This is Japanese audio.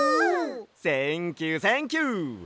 センキューセンキュー！